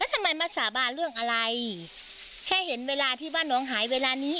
ทำไมมาสาบานเรื่องอะไรแค่เห็นเวลาที่บ้านน้องหายเวลานี้